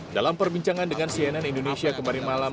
dalam perbincangan dengan cnn indonesia kemarin malam